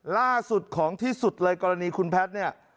ล่าสุดของที่สุดเลยกรณีคุณแพทย์เนี่ย